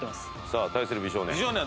さあ対する美少年。